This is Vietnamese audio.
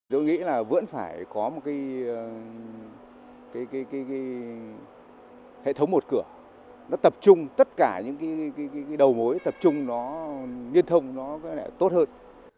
có một cái hệ thống một cửa nó tập trung tất cả những cái đầu mối tập trung nó liên thông nó tốt hơn